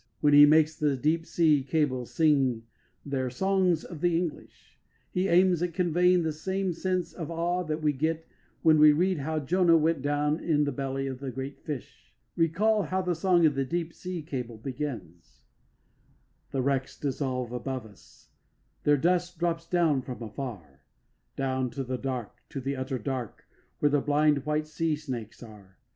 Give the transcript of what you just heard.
When he makes the deep sea cables sing their "song of the English," he aims at conveying the same sense of awe that we get when we read how Jonah went down in the belly of the great fish. Recall how the song of the deep sea cables begins: The wrecks dissolve above us; their dust drops down from afar Down to the dark, to the utter dark, where the blind white sea snakes are.